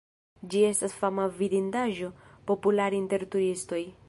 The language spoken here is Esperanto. Ĝi estas fama vidindaĵo, populara inter turistoj.